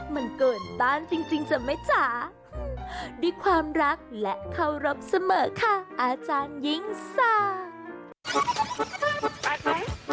มันเกิดบ้านจริงจริงจ่ะไหมจ๊ะดีความรักและเคารพเสมอค่ะอาจารย์หญิงสัตว์